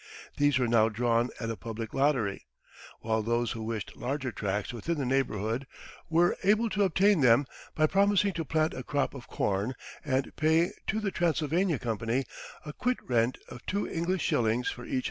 These were now drawn at a public lottery; while those who wished larger tracts within the neighborhood were able to obtain them by promising to plant a crop of corn and pay to the Transylvania Company a quit rent of two English shillings for each hundred acres.